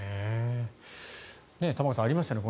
玉川さんありましたよね